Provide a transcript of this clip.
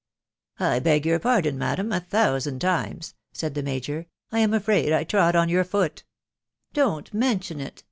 " I beg your pardon, madam, a thousand times !" said the Major/ " 1 am afraid I trod dn your foot\" " Dott't mention it